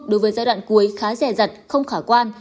đối với giai đoạn cuối khá rẻ rặt không khả quan